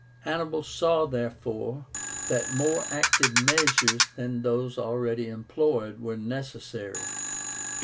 Hannibal saw, therefore, that more active measures than those already employed were necessary.